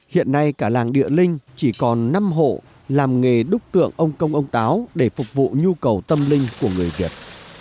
hiện nay cả làng địa linh chỉ còn năm hộ làm nghề đúc tượng ông công ông táo để phục vụ nhu cầu tâm linh của người việt